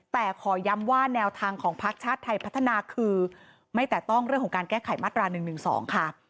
แต่ขอย้ำว่าแนวทางของพักชาติไทยพัฒนาคือไม่แตะต้องเรื่องของการแก้ไขมาตรา๑๑๒ค่ะ